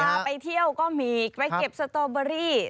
พาไปเที่ยวก็มีไปเก็บสตอเบอรี่